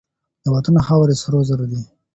د وطن خاورې سرو زرو دي.